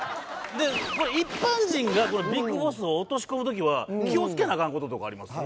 これ一般人がＢＩＧＢＯＳＳを落とし込む時は気をつけなあかんこととかあります？